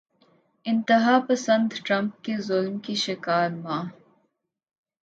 انتہا پسند ٹرمپ کے ظلم کی شکار ماں